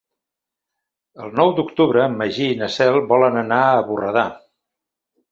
El nou d'octubre en Magí i na Cel volen anar a Borredà.